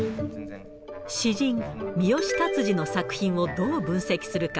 詩人、三好達治の作品をどう分析するか。